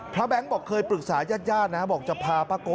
แบงค์บอกเคยปรึกษาญาติญาตินะบอกจะพาป้าโก